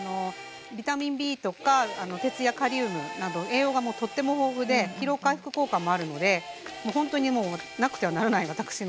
ビタミンＢとか鉄やカリウムなど栄養がもうとっても豊富で疲労回復効果もあるのでほんとにもうへえ。